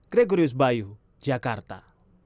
gregorius bayu jakarta